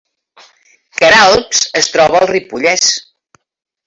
Queralbs es troba al Ripollès